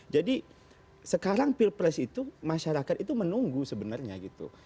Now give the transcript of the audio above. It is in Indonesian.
jadi sekarang pilpres itu masyarakat itu menunggu sebenarnya gitu